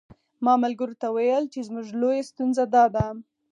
ما ملګرو ته ویل چې زموږ لویه ستونزه داده.